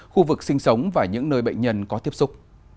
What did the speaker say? khu vực sinh sống và những nơi bệnh nhân có tiếp xúc